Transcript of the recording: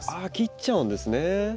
あ切っちゃうんですね。